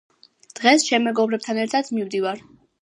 დღეს ჩემ მეგობრებთან ერთად მივდივარ